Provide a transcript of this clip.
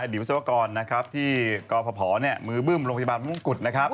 อดีตวศัวร์กรที่กพมือบืมโรงพยาบาลพระมงคุดนะครับ